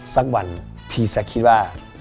สักวันพี่จะคิดว่า